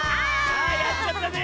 あやっちゃったね！